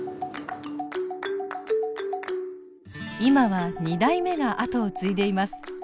今は２代目が後を継いでいます。